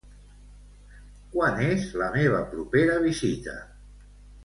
Quan és la meva propera visita?